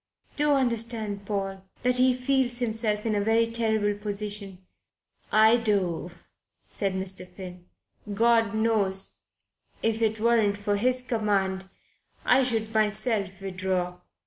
Do understand, Paul, that he feels himself in a very terrible position." "I do," said Mr. Finn. "God knows that if it weren't for His command, I should myself withdraw."